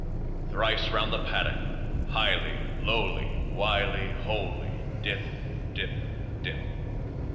Thrice round the paddock. Highly, lowly, wily, holy, dip, dip, dip